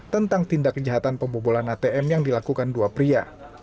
tentang tindak kejahatan pembobolan atm yang dilakukan dua pria